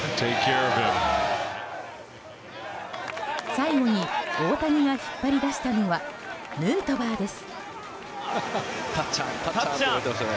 最後に大谷が引っ張り出したのはヌートバーです。